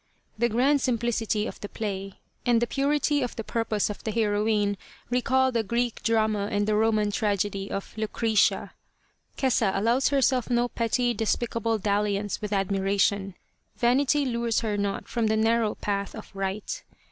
The grand simplicity of the play and the purity of purpose of the heroine recall the Greek drama and the Roman tragedy of Lucrctia. Kesa allows herself no petty, despicable dalliance with admiration ; vanity lures her not from the narrow path of right.